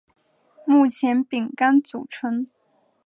目前饼干组成。